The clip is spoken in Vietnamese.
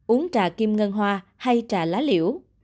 uống trà kim ngân hoa hay trà lá liễu